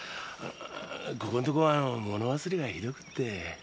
ここんとこ物忘れがひどくって。